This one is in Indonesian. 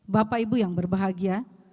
bapak ibu yang berbahagia